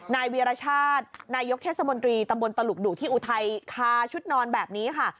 นายวีรชาตินายกเทศมนตรีตำบลตลุกดุที่อุทัยคาชุดนอนแบบนี้ค่ะ